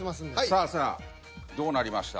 さあさあどうなりました？